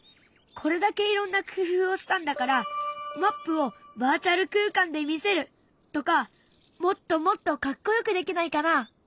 これだけいろんな工夫をしたんだからマップをバーチャル空間で見せるとかもっともっとかっこよくできないかな？